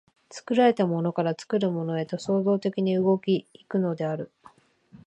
作られたものから作るものへと創造的に動き行くのである。